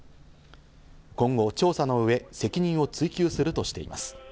今後、調査の上、責任を追及するとしています。